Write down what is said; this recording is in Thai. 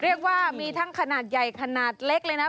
เรียกว่ามีทั้งขนาดใหญ่ขนาดเล็กเลยนะ